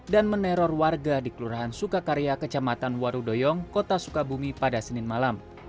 dan meneror warga di kelurahan sukakarya kecamatan warudoyong kota sukabumi pada senin malam